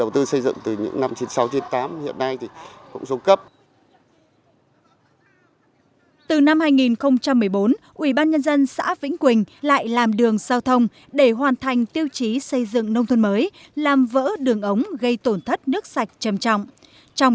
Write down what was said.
từ năm hai nghìn một mươi bốn ubnd xã vĩnh quỳnh lại làm đường giao thông để hoàn thành tiêu chí xây dựng nông thuận mới làm vỡ đường ống gây tổn thất nước sạch châm trọng